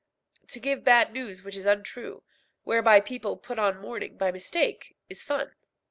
To give bad news which is untrue, whereby people put on mourning by mistake, is fun.